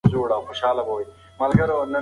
د کور نظم د ټولو مسئولیت دی.